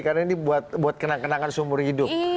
karena ini buat kenangan seumur hidup